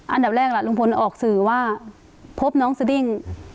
อันดับแรกล่ะลุงพลออกสื่อว่าพบน้องสดิ้ง